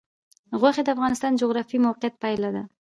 غوښې د افغانستان د جغرافیایي موقیعت پایله ده.